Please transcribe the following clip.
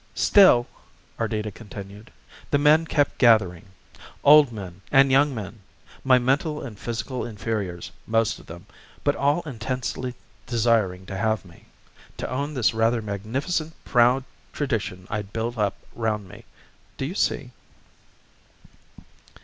"Still," Ardita continued, "the men kept gathering old men and young men, my mental and physical inferiors, most of them, but all intensely desiring to have me to own this rather magnificent proud tradition I'd built up round me. Do you see?"